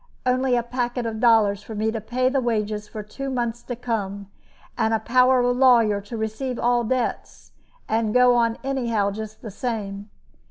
Only a packet of dollars for me to pay the wages for two months to come, and a power of lawyer to receive all debts, and go on anyhow just the same.